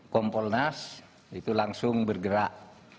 kompol nas itu langsung bergerak